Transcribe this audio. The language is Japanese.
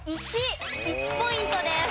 １。１ポイントです。